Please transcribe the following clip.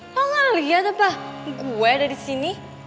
lo gak liat apa gue ada disini